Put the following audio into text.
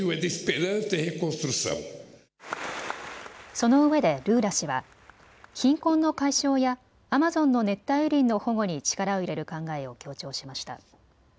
そのうえでルーラ氏は貧困の解消やアマゾンの熱帯雨林の保護に力を入れる考えを強調しました。